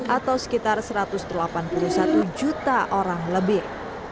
atau sekitar satu ratus delapan puluh satu juta orang lebih